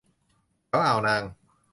แถวอ่าวนาง